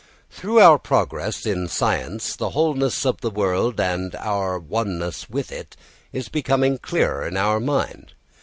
Through our progress in science the wholeness of the world and our oneness with it is becoming clearer to our mind.